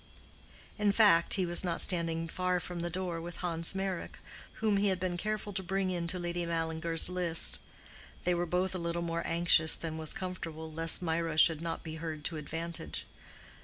In fact, he was not standing far from the door with Hans Meyrick, whom he had been careful to bring into Lady Mallinger's list. They were both a little more anxious than was comfortable lest Mirah should not be heard to advantage.